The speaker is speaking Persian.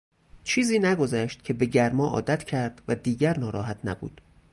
چیزی نگذشت که به گرما عادت کرد و دیگر ناراحت نبود.